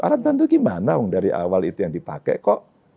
alat bantu gimana dari awal itu yang dipakai kok